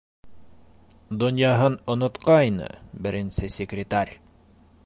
Донъяһын онотҡайны беренсе секретарь!